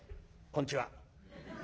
こんちは」。